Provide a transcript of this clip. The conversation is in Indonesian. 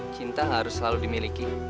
cinta harus selalu dimiliki